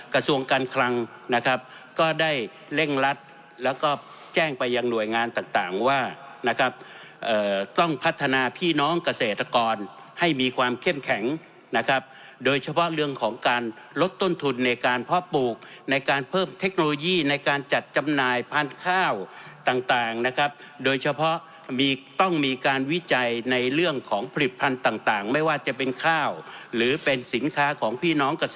กระทรวงการคลังนะครับก็ได้เร่งรัดแล้วก็แจ้งไปยังหน่วยงานต่างว่านะครับต้องพัฒนาพี่น้องเกษตรกรให้มีความเข้มแข็งนะครับโดยเฉพาะเรื่องของการลดต้นทุนในการเพาะปลูกในการเพิ่มเทคโนโลยีในการจัดจำหน่ายพันธุ์ข้าวต่างนะครับโดยเฉพาะมีต้องมีการวิจัยในเรื่องของผลิตภัณฑ์ต่างไม่ว่าจะเป็นข้าวหรือเป็นสินค้าของพี่น้องเกษตร